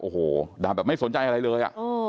โอ้โหด่าแบบไม่สนใจอะไรเลย